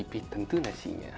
harus dicicipi tentu nasinya